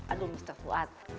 aduh mr fuad